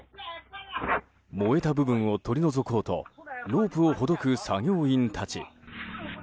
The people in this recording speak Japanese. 燃えた部分を取り除こうとロープをほどく作業員たち。